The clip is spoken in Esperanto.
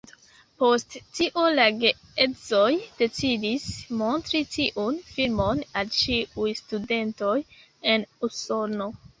Post tio la geedzoj decidis montri tiun filmon al ĉiuj studentoj en Usono.